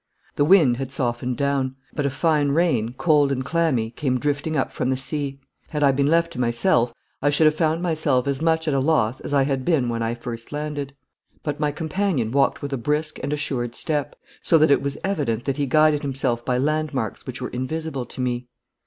The wind had softened down, but a fine rain, cold and clammy, came drifting up from the sea. Had I been left to myself I should have found myself as much at a loss as I had been when I first landed; but my companion walked with a brisk and assured step, so that it was evident that he guided himself by landmarks which were invisible to me.